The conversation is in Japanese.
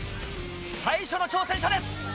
最初の挑戦者です。